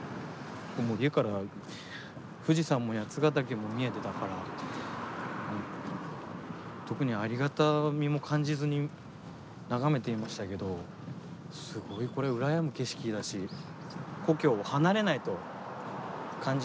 家から富士山も八ヶ岳も見えてたから特にありがたみも感じずに眺めていましたけどすごいこれ羨む景色だし故郷を離れないと感じない魅力はありますねやっぱり。